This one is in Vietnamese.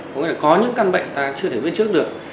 có những căn bệnh ta chưa thể biết trước được